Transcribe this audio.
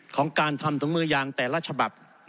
ของการทำถุงมือยางแต่ละฉบับ